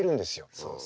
そうですね。